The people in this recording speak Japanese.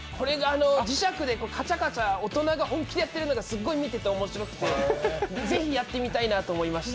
磁石でかちゃかちゃ大人が本気でやってるのがすごい見てて面白くてぜひやってみたいなと思いまして。